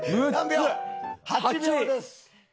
８秒です。